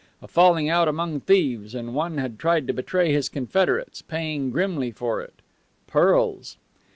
A falling out among thieves, and one had tried to betray his confederates, paying grimly for it. Pearls!